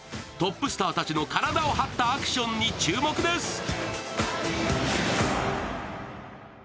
トップスターたちの体を張ったアクションに注目です！